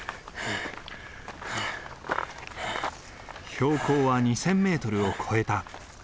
標高は２，０００メートルを越えた。